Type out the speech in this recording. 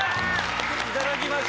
いただきました！